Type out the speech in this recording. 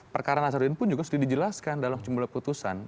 perkara nazarudin pun juga sudah dijelaskan dalam jumlah putusan